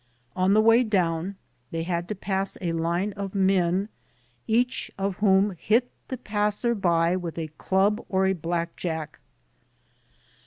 On the way down they had to pass a line of men, each of whom hit the passerby with a club or a blackjack.